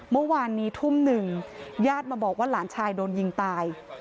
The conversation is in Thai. เมื่อวานนี้ทุ่มหนึ่งญาติมาบอกว่าหลานชายโดนยิงตาย